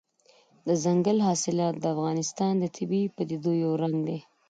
دځنګل حاصلات د افغانستان د طبیعي پدیدو یو رنګ دی.